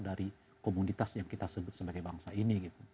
dari komunitas yang kita sebut sebagai bangsa ini